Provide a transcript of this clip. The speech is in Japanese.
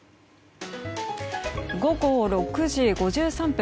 午後６時５３分。